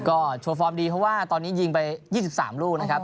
ก็โชว์ฟอร์มดีเพราะว่าตอนนี้ยิงไป๒๓ลูกนะครับ